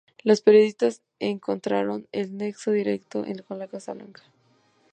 Los periodistas encontraron el nexo directo con la Casa Blanca.